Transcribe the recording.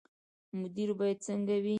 مدیر باید څنګه وي؟